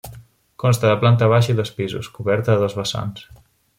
Consta de planta baixa i dos pisos, coberta a dos vessants.